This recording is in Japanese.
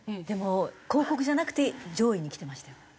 でも広告じゃなくて上位にきてましたよ。